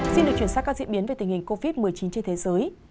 xin được chuyển sang các diễn biến về tình hình covid một mươi chín trên thế giới